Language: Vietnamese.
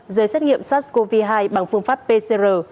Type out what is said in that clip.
giấy xét nghiệm sars cov hai bằng phương pháp pcr